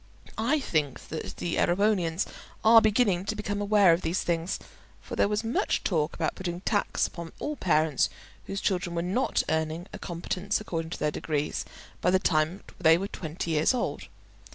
I think that the Erewhonians are beginning to become aware of these things, for there was much talk about putting a tax upon all parents whose children were not earning a competence according to their degrees by the time they were twenty years old.